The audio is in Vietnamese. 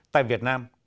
tại việt nam